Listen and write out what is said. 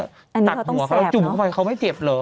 ตัดหัวก็จุบเข้าไปเขาไม่เจ็บเหรอ